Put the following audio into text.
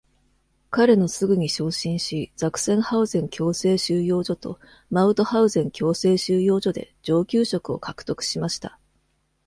彼のすぐに昇進し、ザクセンハウゼン強制収容所とマウトハウゼン強制収容所で上級職を獲得しました。